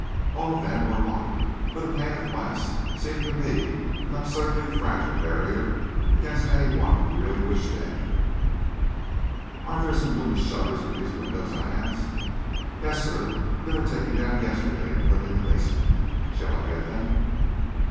All of them were locked, but a pane of glass seemed to me an absurdly fragile barrier against any one who really wished to enter. "Aren't there some wooden shutters for these windows?" I asked. "Yes, sir; they were taken down yesterday and put in the basement. Shall I get them?"